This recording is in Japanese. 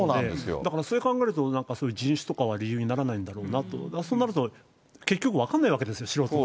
だからそれ考えると、人種とかは理由にならないんだろうなと、そうなると、結局、分からないわけですよ、素人には。